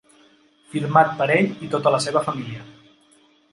Firmat per ell i tota la seva família.